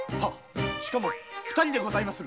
しかも二人でございます。